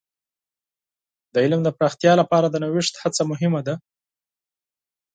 د علم د پراختیا لپاره د نوښت هڅه مهمه ده.